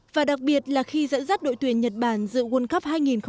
và đặc biệt là khi dẫn dắt đội tuyển nhật bản dự world cup hai nghìn hai